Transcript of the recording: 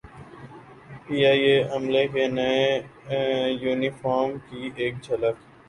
P I A عملے کے نئے یونیفارم کی ایک جھلک